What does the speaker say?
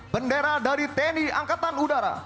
bendera dari tni angkatan udara